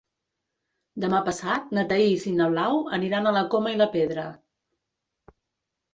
Demà passat na Thaís i na Blau aniran a la Coma i la Pedra.